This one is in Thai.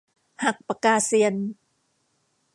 หักปากกาเซียน